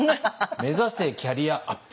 めざせキャリアアップ。